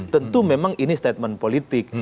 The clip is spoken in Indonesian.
tentu memang ini statement politik